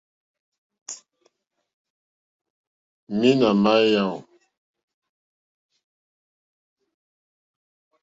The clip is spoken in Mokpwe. Mǐnà má yáò.